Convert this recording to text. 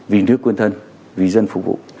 vì nước quân thân vì dân phục vụ